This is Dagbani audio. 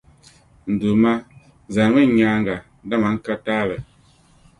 N Duuma, zanimi n nyaaŋa ni, dama n ka taali.